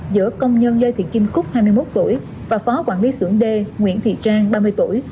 giữa công nhân lê thị kim cúc hai mươi một tuổi và phó quản lý xưởng d nguyễn thị trang ba mươi tuổi